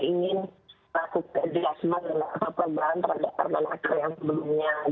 ingin lakukan dihasilkan dengan keperluan terhadap permenaker yang sebelumnya